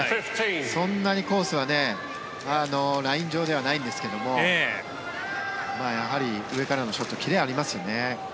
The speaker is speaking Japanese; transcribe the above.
そんなにコースはライン上ではないんですけどやはり上からのショット切れありますよね。